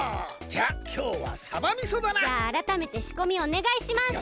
じゃああらためてしこみおねがいします。